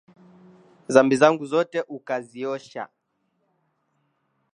Dhambi zangu zote ukaziosha